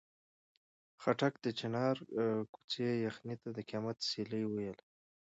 خاټک د چنار کوڅې یخنۍ ته د قیامت سیلۍ ویله.